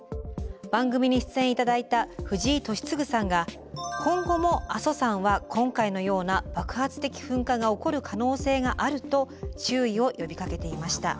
番組に出演頂いた藤井敏嗣さんが「今後も阿蘇山は今回のような爆発的噴火が起こる可能性がある」と注意を呼びかけていました。